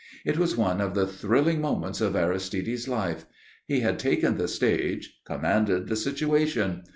It was one of the thrilling moments of Aristide's life. He had taken the stage, commanded the situation.